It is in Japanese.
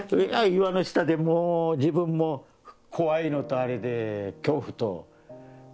岩の下でもう自分も怖いのとあれで恐怖と。